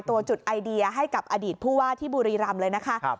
จุดไอเดียให้กับอดีตผู้ว่าที่บุรีรำเลยนะคะ